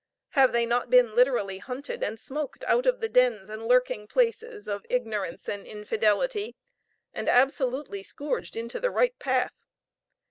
Have they not been literally hunted and smoked out of the dens and lurking places of ignorance and infidelity, and absolutely scourged into the right path?